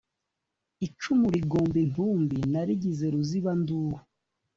icumu ligomba intumbi naligize ruzibanduru